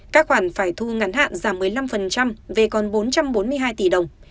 các khoản phải thu ngắn hạn giảm một mươi năm về còn bốn trăm bốn mươi hai tỷ đồng